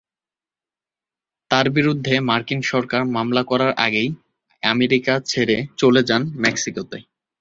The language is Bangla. তার বিরুদ্ধে মার্কিন সরকার মামলা করার আগেই আমেরিকা ছেড়ে চলে যান মেক্সিকোতে।